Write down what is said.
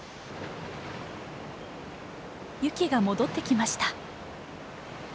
ユキが戻ってきました。